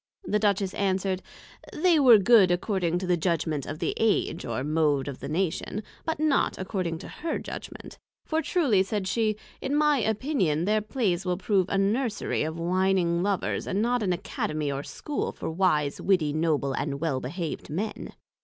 The Duchess answer'd, They were Good according to the Judgment of the Age, or Mode of the Nation, but not according to her Judgment: for truly, said she, in my Opinion, their Plays will prove a Nursery of whining Lovers, and not an Academy or School for Wise, Witty, Noble and well behaved men.